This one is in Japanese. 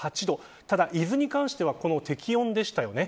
ただ、伊豆に関してはこの適温でした。